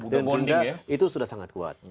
dan genda itu sudah sangat kuat